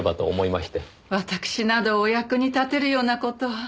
わたくしなどお役に立てるような事は。